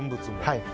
はい。